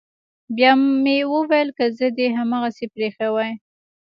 بيا مې وويل که زه دې هماغسې پريښى واى.